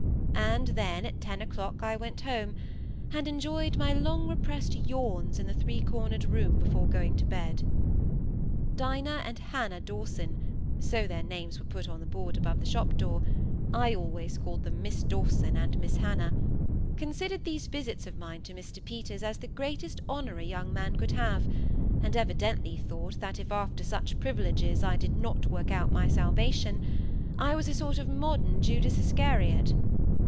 And then at ten o"clock I went home, and enjoyed my long repressed yawns in the three cornered room before going to bed. Dinah and Hannah Dawson, so their names were put on the board above the shop door—I always called them Miss Dawson and Miss Hannah—considered these visits of mine to Mr Peters as the greatest honour a young man could have; and evidently thought that if after such privileges, I did not work out my salvation, I was a sort of modern Judas Iscariot.